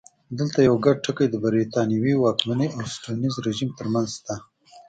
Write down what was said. دلته یو ګډ ټکی د برېټانوي واکمنۍ او سټیونز رژیم ترمنځ شته.